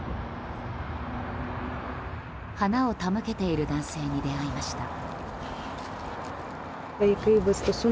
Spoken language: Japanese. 花を手向けている男性に出会いました。